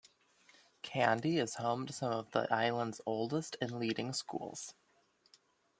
Kandy is home to some of the island's oldest and leading schools.